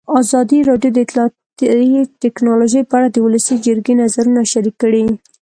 ازادي راډیو د اطلاعاتی تکنالوژي په اړه د ولسي جرګې نظرونه شریک کړي.